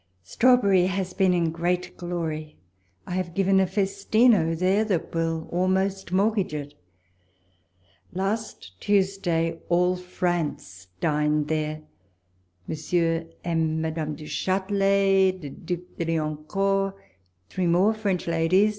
Strawberry has been in great glory ; I have given a festino there that will almost mortgage it Last Tuesday all France dined there : Monsieur and Madame du Chatelet, the Due de Liancourt, three more French ladies, WALPOLES LETTERS.